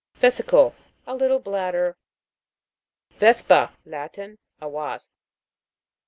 VE'SICLE. A little bladder. VES'PA. Latin. A wasp.